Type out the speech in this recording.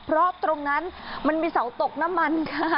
เพราะตรงนั้นมันมีเสาตกน้ำมันค่ะ